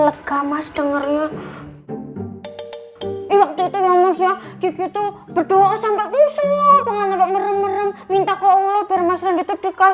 lega mas dengernya itu berdoa sampai merem merem minta ke allah biar mas randi terdekat